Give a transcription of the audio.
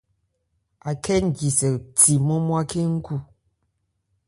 Akhɛ́ jisɛ thi nmwá-nmwá khɛ́n n khu.